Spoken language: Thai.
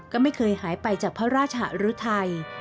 ก็ไม่เคยหายไปจากพระราชหรือไทย